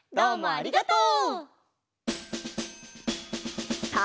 ありがとう！